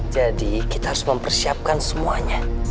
jadi kita harus mempersiapkan semuanya